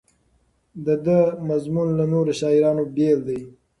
د ده مضمون له نورو شاعرانو بېل دی.